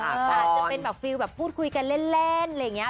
อาจจะเป็นแบบฟิลแบบพูดคุยกันเล่นอะไรอย่างนี้